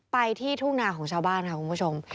ไปที่ทุ่งนาของชาวบ้านค่ะคุณผู้ชม